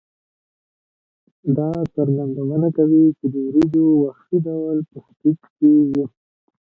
دا څرګندونه کوي چې د وریجو وحشي ډول په ختیځ کې وې.